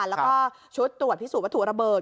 แล้วก็ชุดตรวจพิสูจนวัตถุระเบิด